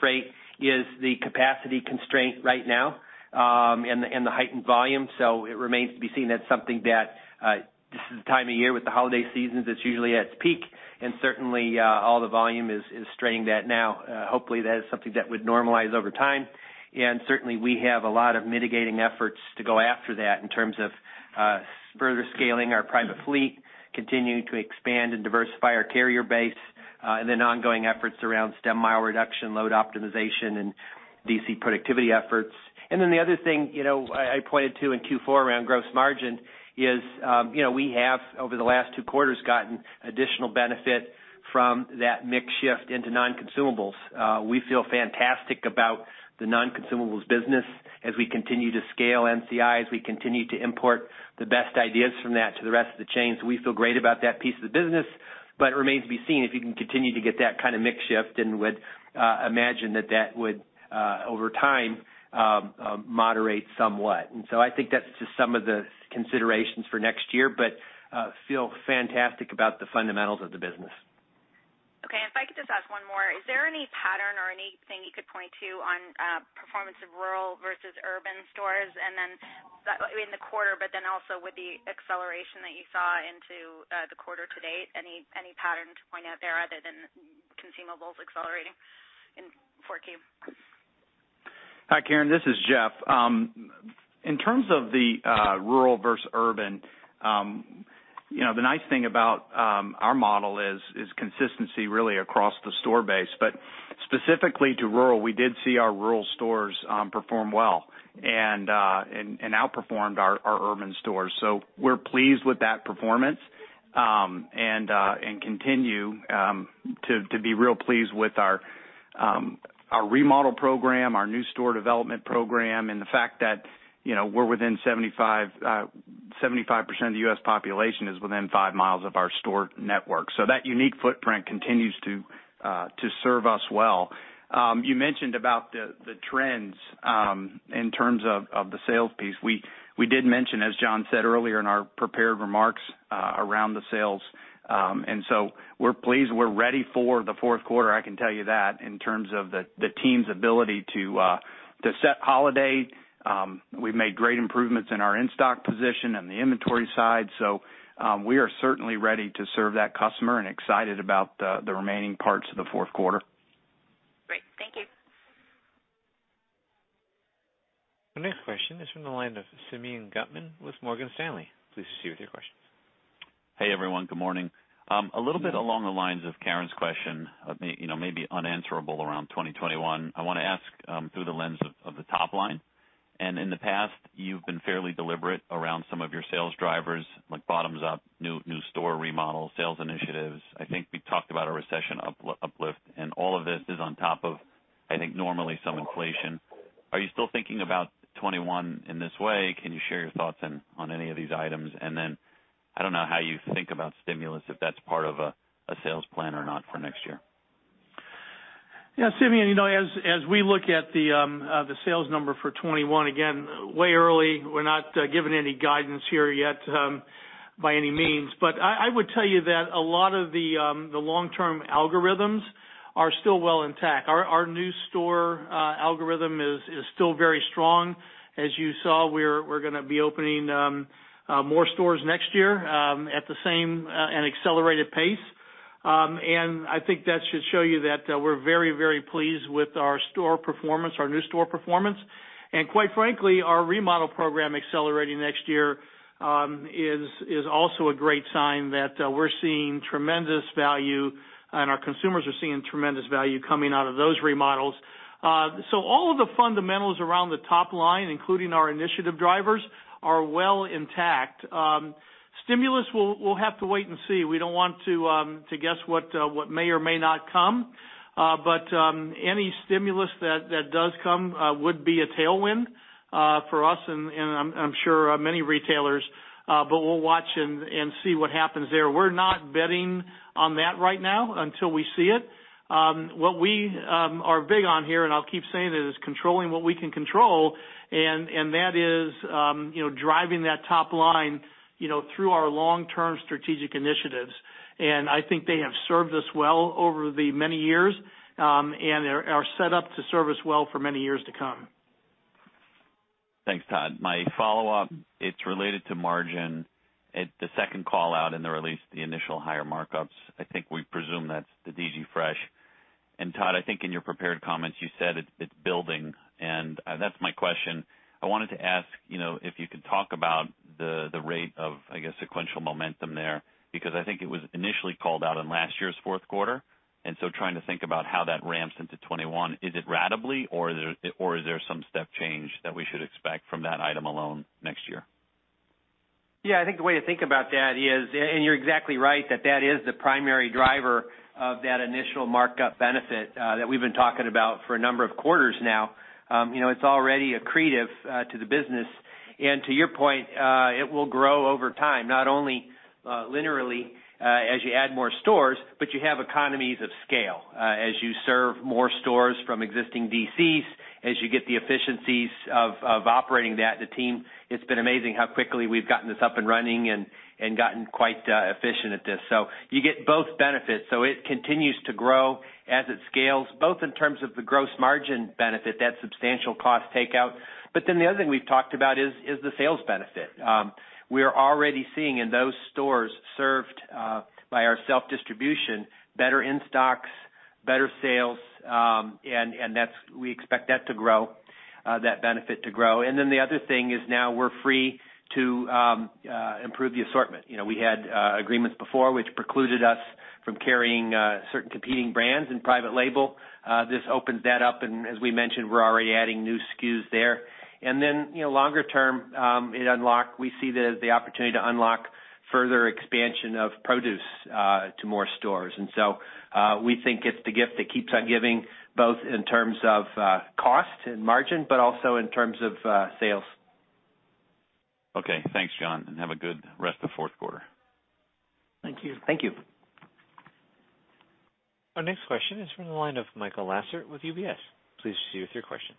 freight is the capacity constraint right now and the heightened volume. It remains to be seen. That's something that this is the time of year with the holiday seasons, it's usually at its peak, and certainly all the volume is straining that now. Hopefully, that is something that would normalize over time. Certainly, we have a lot of mitigating efforts to go after that in terms of further scaling our private fleet, continuing to expand and diversify our carrier base, and ongoing efforts around stem mile reduction, load optimization, and DC productivity efforts. The other thing I pointed to in Q4 around gross margin is we have, over the last two quarters, gotten additional benefit from that mix shift into non-consumables. We feel fantastic about the non-consumables business as we continue to scale NCI, as we continue to import the best ideas from that to the rest of the chain. We feel great about that piece of the business, but it remains to be seen if you can continue to get that kind of mix shift and would imagine that that would over time moderate somewhat. I think that's just some of the considerations for next year, but feel fantastic about the fundamentals of the business. Okay, if I could just ask one more. Is there any pattern or anything you could point to on performance of rural versus urban stores? In the quarter, also with the acceleration that you saw into the quarter to date, any pattern to point out there other than consumables accelerating in 4Q? Hi, Karen, this is Jeff. In terms of the rural versus urban, the nice thing about our model is consistency really across the store base. Specifically to rural, we did see our rural stores perform well and outperformed our urban stores. We're pleased with that performance and continue to be real pleased with our remodel program, our new store development program, and the fact that 75% of the U.S. population is within five miles of our store network. That unique footprint continues to serve us well. You mentioned about the trends in terms of the sales piece. We did mention, as John said earlier in our prepared remarks around the sales, we're pleased. We're ready for the fourth quarter, I can tell you that, in terms of the team's ability to set holiday. We've made great improvements in our in-stock position and the inventory side. We are certainly ready to serve that customer and excited about the remaining parts of the fourth quarter. Great. Thank you. The next question is from the line of Simeon Gutman with Morgan Stanley. Please proceed with your question. Hey, everyone. Good morning. A little bit along the lines of Karen's question, maybe unanswerable around 2021. I want to ask through the lens of the top line. In the past, you've been fairly deliberate around some of your sales drivers, like bottoms-up, new store remodels, sales initiatives. I think we talked about a recession uplift, and all of this is on top of, I think, normally some inflation. Are you still thinking about 2021 in this way? Can you share your thoughts on any of these items? I don't know how you think about stimulus, if that's part of a sales plan or not for next year. Simeon, as we look at the sales number for 2021, again, way early. We're not giving any guidance here yet by any means. I would tell you that a lot of the long-term algorithms are still well intact. Our new store algorithm is still very strong. As you saw, we're going to be opening more stores next year at the same and accelerated pace. I think that should show you that we're very, very pleased with our store performance, our new store performance. Quite frankly, our remodel program accelerating next year is also a great sign that we're seeing tremendous value and our consumers are seeing tremendous value coming out of those remodels. All of the fundamentals around the top line, including our initiative drivers, are well intact. Stimulus, we'll have to wait and see. We don't want to guess what may or may not come. Any stimulus that does come would be a tailwind for us and I'm sure many retailers, but we'll watch and see what happens there. We're not betting on that right now until we see it. What we are big on here, and I'll keep saying it, is controlling what we can control, and that is driving that top line through our long-term strategic initiatives. I think they have served us well over the many years, and are set up to serve us well for many years to come. Thanks, Todd. My follow-up, it's related to margin. The second call-out in the release, the initial higher markups, I think we presume that's the DG Fresh. Todd, I think in your prepared comments, you said it's building, and that's my question. I wanted to ask if you could talk about the rate of, I guess, sequential momentum there, because I think it was initially called out in last year's fourth quarter, and so trying to think about how that ramps into 2021. Is it ratably or is there some step change that we should expect from that item alone next year? Yeah, I think the way to think about that is, and you're exactly right, that that is the primary driver of that initial markup benefit that we've been talking about for a number of quarters now. It's already accretive to the business. To your point, it will grow over time, not only linearly as you add more stores, but you have economies of scale as you serve more stores from existing DCs, as you get the efficiencies of operating that. The team, it's been amazing how quickly we've gotten this up and running and gotten quite efficient at this. You get both benefits. It continues to grow as it scales, both in terms of the gross margin benefit, that substantial cost takeout. The other thing we've talked about is the sales benefit. We are already seeing in those stores served by our self-distribution, better in-stocks, better sales, we expect that benefit to grow. The other thing is now we're free to improve the assortment. We had agreements before which precluded us from carrying certain competing brands in private label. This opens that up, as we mentioned, we're already adding new SKUs there. Longer term, we see the opportunity to unlock further expansion of produce to more stores. We think it's the gift that keeps on giving, both in terms of cost and margin, but also in terms of sales. Okay. Thanks, John, and have a good rest of fourth quarter. Thank you. Thank you. Our next question is from the line of Michael Lasser with UBS. Please proceed with your question.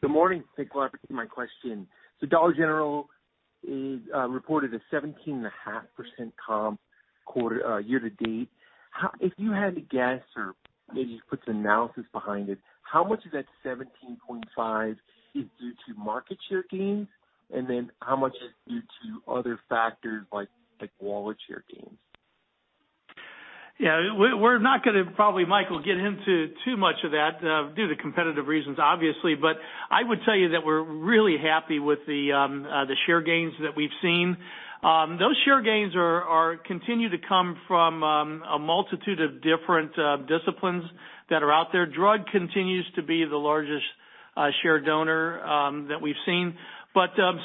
Good morning. Thanks a lot for taking my question. Dollar General reported a 17.5% comp year to date. If you had to guess, or maybe put some analysis behind it, how much of that 17.5% is due to market share gains, and then how much is due to other factors like wallet share gains? Yeah. We're not going to probably, Michael, get into too much of that due to competitive reasons, obviously. I would tell you that we're really happy with the share gains that we've seen. Those share gains continue to come from a multitude of different disciplines that are out there. Drug continues to be the largest share donor that we've seen.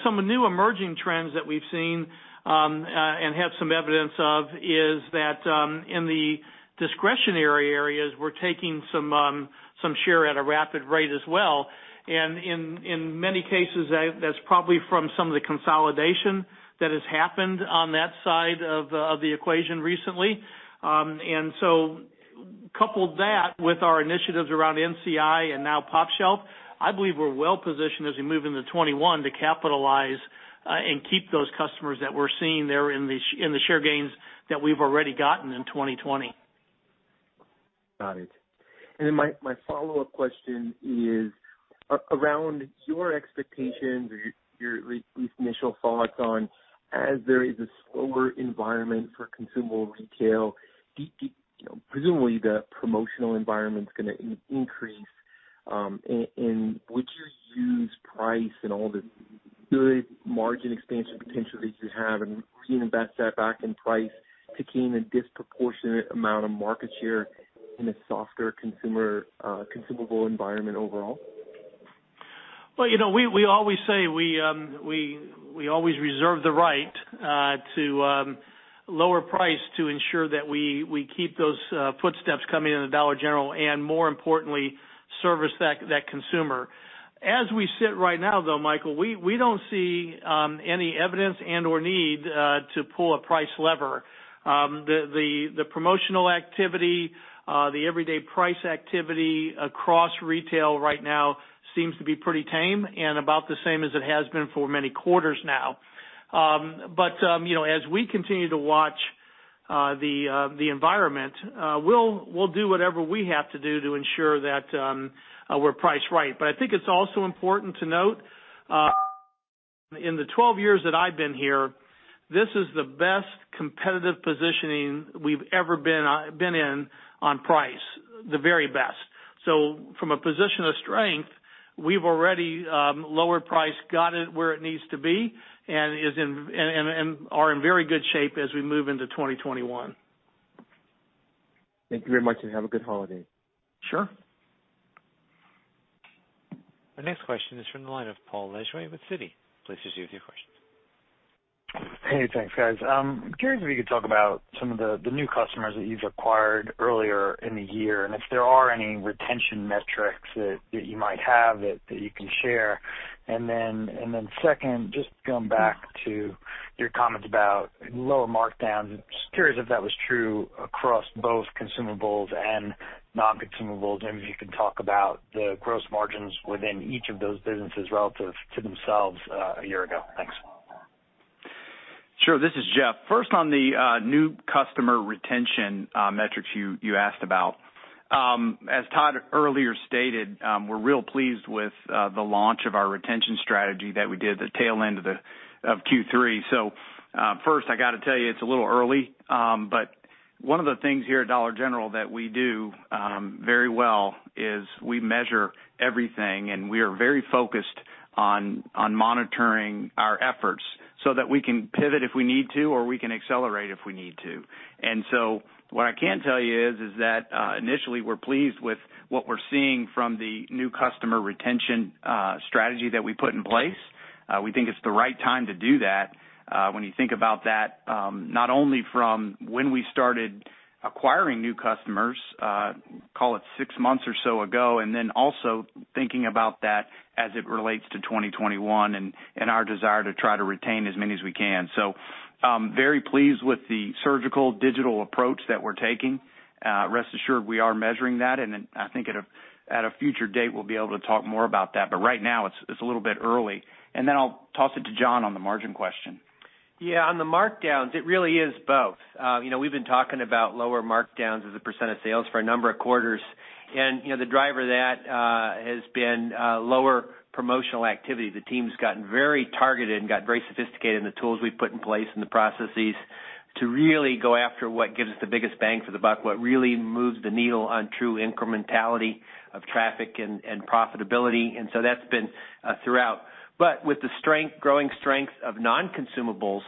Some new emerging trends that we've seen, and have some evidence of, is that in the discretionary areas, we're taking some share at a rapid rate as well. In many cases, that's probably from some of the consolidation that has happened on that side of the equation recently. Couple that with our initiatives around NCI and now pOpshelf, I believe we're well-positioned as we move into 2021 to capitalize and keep those customers that we're seeing there in the share gains that we've already gotten in 2020. Got it. My follow-up question is around your expectations or your at least initial thoughts on as there is a slower environment for consumable retail, presumably the promotional environment's going to increase. Would you use price and all the good margin expansion potential that you have and reinvest that back in price to gain a disproportionate amount of market share in a softer consumable environment overall? Well, we always say we always reserve the right to lower price to ensure that we keep those footsteps coming into Dollar General and more importantly, service that consumer. As we sit right now, though, Michael, we don't see any evidence and/or need to pull a price lever. The promotional activity, the everyday price activity across retail right now seems to be pretty tame and about the same as it has been for many quarters now. As we continue to watch the environment, we'll do whatever we have to do to ensure that we're priced right. I think it's also important to note, in the 12 years that I've been here, this is the best competitive positioning we've ever been in on price, the very best. From a position of strength, we've already lowered price, got it where it needs to be, and are in very good shape as we move into 2021. Thank you very much, and have a good holiday. Sure. The next question is from the line of Paul Lejuez with Citi. Please proceed with your questions. Hey, thanks guys. I'm curious if you could talk about some of the new customers that you've acquired earlier in the year, and if there are any retention metrics that you might have that you can share. Second, just going back to your comments about lower markdowns, just curious if that was true across both consumables and non-consumables, and if you can talk about the gross margins within each of those businesses relative to themselves a year ago. Thanks. Sure. This is Jeff. First on the new customer retention metrics you asked about. As Todd earlier stated, we're real pleased with the launch of our retention strategy that we did the tail end of Q3. First I got to tell you it's a little early, but one of the things here at Dollar General that we do very well is we measure everything, and we are very focused on monitoring our efforts so that we can pivot if we need to, or we can accelerate if we need to. What I can tell you is that, initially we're pleased with what we're seeing from the new customer retention strategy that we put in place. We think it's the right time to do that. When you think about that, not only from when we started acquiring new customers, call it six months or so ago, and then also thinking about that as it relates to 2021 and our desire to try to retain as many as we can. Very pleased with the surgical digital approach that we're taking. Rest assured, we are measuring that. I think at a future date we'll be able to talk more about that. Right now it's a little bit early. I'll toss it to John on the margin question. Yeah. On the markdowns, it really is both. We've been talking about lower markdowns as a percent of sales for a number of quarters. The driver of that has been lower promotional activity. The team's gotten very targeted and got very sophisticated in the tools we've put in place and the processes to really go after what gives us the biggest bang for the buck, what really moves the needle on true incrementality of traffic and profitability. That's been throughout. With the growing strength of non-consumables,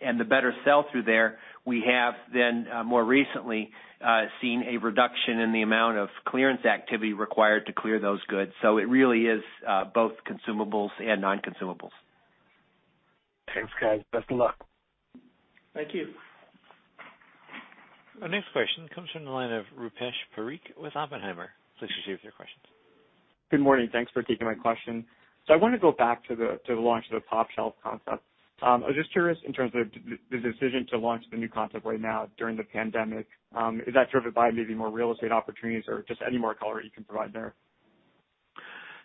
and the better sell-through there, we have then more recently seen a reduction in the amount of clearance activity required to clear those goods. It really is both consumables and non-consumables. Thanks, guys. Best of luck. Thank you. Our next question comes from the line of Rupesh Parikh with Oppenheimer. Please proceed with your questions. Good morning. Thanks for taking my question. I want to go back to the launch of the pOpshelf concept. I was just curious in terms of the decision to launch the new concept right now during the pandemic, is that driven by maybe more real estate opportunities or just any more color you can provide there?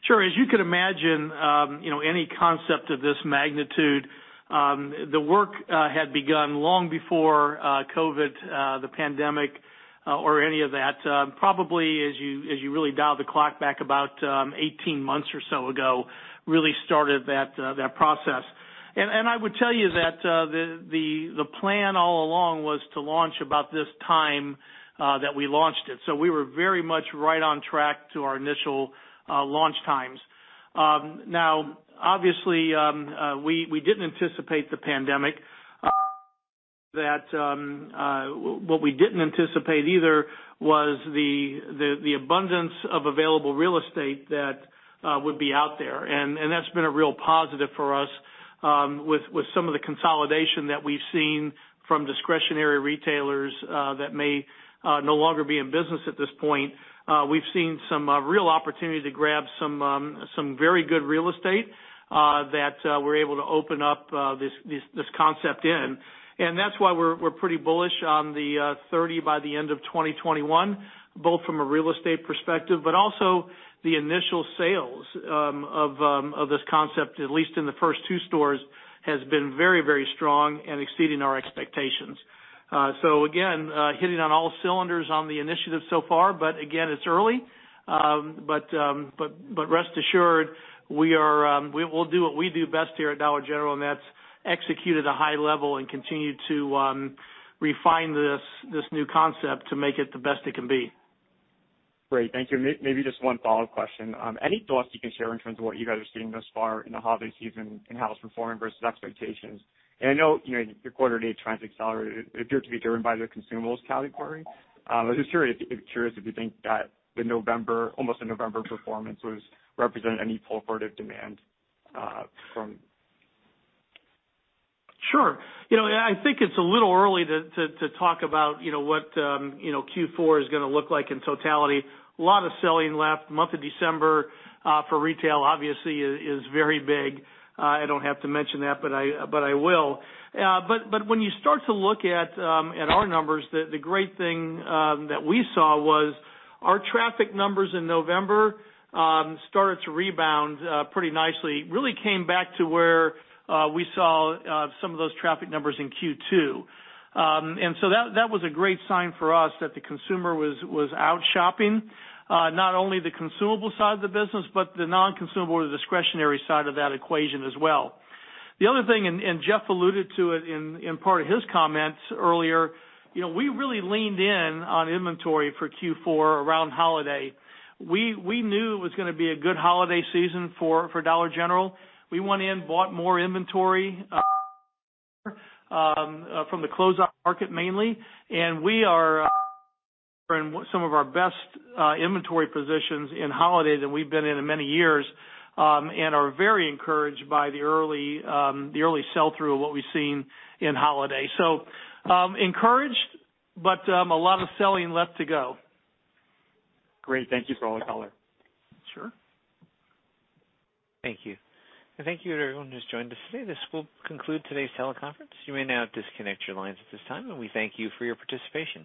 Sure. As you could imagine, any concept of this magnitude, the work had begun long before COVID, the pandemic, or any of that. Probably as you really dial the clock back about 18 months or so ago, really started that process. I would tell you that the plan all along was to launch about this time that we launched it. We were very much right on track to our initial launch times. Now, obviously, we didn't anticipate the pandemic. What we didn't anticipate either was the abundance of available real estate that would be out there. That's been a real positive for us, with some of the consolidation that we've seen from discretionary retailers that may no longer be in business at this point. We've seen some real opportunity to grab some very good real estate that we're able to open up this concept in. That's why we're pretty bullish on the 30 by the end of 2021, both from a real estate perspective, but also the initial sales of this concept, at least in the first two stores, has been very strong and exceeding our expectations. Again, hitting on all cylinders on the initiative so far, but again, it's early. Rest assured, we'll do what we do best here at Dollar General, and that's execute at a high level and continue to refine this new concept to make it the best it can be. Great. Thank you. Maybe just one follow-up question. Any thoughts you can share in terms of what you guys are seeing thus far in the holiday season how it's performing versus expectations? I know your quarter-to-date trends accelerated appear to be driven by the consumables category. I'm just curious if you think that almost the November performance represented any purported demand from Sure. I think it's a little early to talk about what Q4 is going to look like in totality. A lot of selling left. Month of December for retail obviously is very big. I don't have to mention that, but I will. When you start to look at our numbers, the great thing that we saw was our traffic numbers in November started to rebound pretty nicely. Really came back to where we saw some of those traffic numbers in Q2. That was a great sign for us that the consumer was out shopping. Not only the consumable side of the business, but the non-consumable or the discretionary side of that equation as well. The other thing, and Jeff alluded to it in part of his comments earlier, we really leaned in on inventory for Q4 around holiday. We knew it was going to be a good holiday season for Dollar General. We went in, bought more inventory from the closeout market mainly, and we are in some of our best inventory positions in holidays than we've been in in many years, and are very encouraged by the early sell-through of what we've seen in holiday. Encouraged, but a lot of selling left to go. Great. Thank you for all the color. Sure. Thank you. Thank you to everyone who's joined us today. This will conclude today's teleconference. You may now disconnect your lines at this time, and we thank you for your participation.